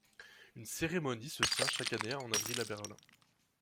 Une cérémonie se tient chaque année en avril à Berlin.